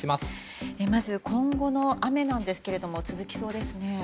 まず今後の雨なんですけども続きそうですね。